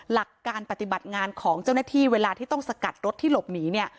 หลักการปฏิบัติงานของเจ้าหน้าที่เวลาที่ต้องสกัดรถที่หลบหนีเนี่ย